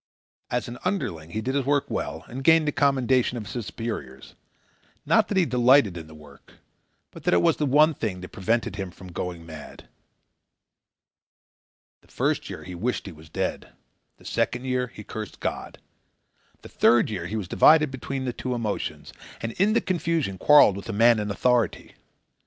As an underling he did his work well and gained the commendation of his superiors. Not that he delighted in the work, but that it was the one thing that prevented him from going mad. The first year he wished he was dead. The second year he cursed God. The third year he was divided between the two emotions, and in the confusion quarrelled with a man in authority.